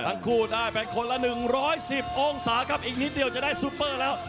ทั้งคู่ได้เป็นคนละหนึ่งร้อยสิบองศาครับอีกนิดเดียวจะได้ซุปเปอร์แล้ว